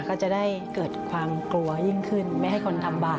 ก็จะได้เกิดความกลัวยิ่งขึ้นไม่ให้คนทำบาป